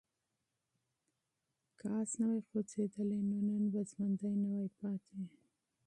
که آس نه وای خوځېدلی نو نن به ژوندی نه وای پاتې.